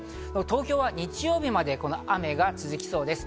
東京は日曜日まで雨が続きそうです。